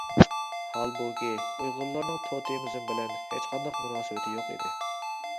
ھالبۇكى، ئۇيغۇرلارنىڭ توتېمىزم بىلەن ھېچقانداق مۇناسىۋىتى يوق ئىدى.